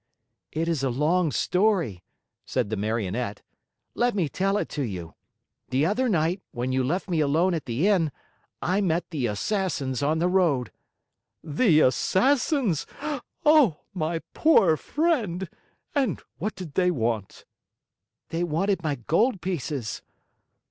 "It is a long story," said the Marionette. "Let me tell it to you. The other night, when you left me alone at the Inn, I met the Assassins on the road " "The Assassins? Oh, my poor friend! And what did they want?" "They wanted my gold pieces."